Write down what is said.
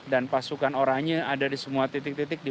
dan pasukan orangnya ada di semua titik titik di mana ada potensi